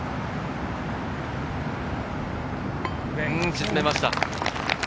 沈めました。